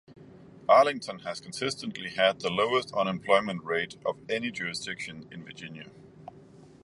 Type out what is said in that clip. Arlington has consistently had the lowest unemployment rate of any jurisdiction in Virginia.